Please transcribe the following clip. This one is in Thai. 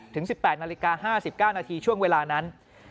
ถึง๑๘นาฬิกา๕๙นาทีช่วงเวลานั้น